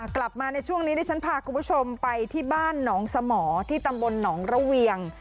กลับมาในช่วงนี้ดิฉันพาคุณผู้ชมไปที่บ้านหนองสมอที่ตำบลหนองระเวียง